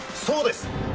そうです！